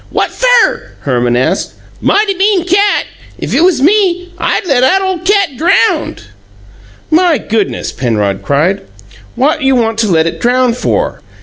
"What fer?" Herman asked. "Mighty mean cat! If it was me, I let 'at ole cat drownd." "My goodness," Penrod cried. "What you want to let it drown for?